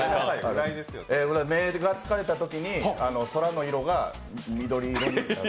目が疲れたときに空の色が緑色になる。